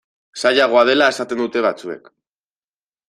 Zailagoa dela esaten dute batzuek.